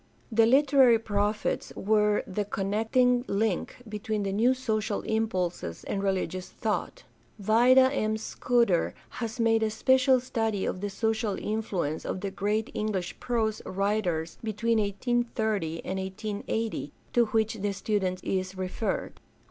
— ^The literary prophets were the connecting link between the new social impulses and religious thought. Vida M. Scudder has made a special study of the social influence of the great English prose writers between 1830 and 1880, to which the student is referred.